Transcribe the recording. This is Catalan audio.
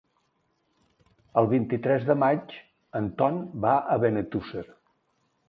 El vint-i-tres de maig en Ton va a Benetússer.